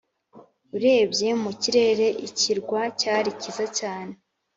urebye mu kirere, ikirwa cyari cyiza cyane.